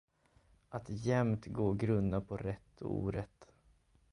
Att jämt gå och grunna på rätt och orätt.